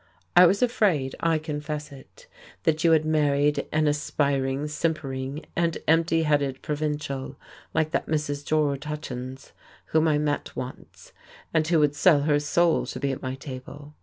I was afraid I confess it that you had married an aspiring, simpering and empty headed provincial like that Mrs. George Hutchins' whom I met once, and who would sell her soul to be at my table.